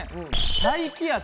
「大気圧」